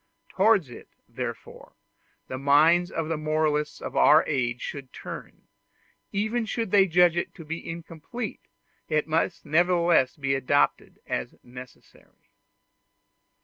Towards it, therefore, the minds of the moralists of our age should turn; even should they judge it to be incomplete, it must nevertheless be adopted as necessary.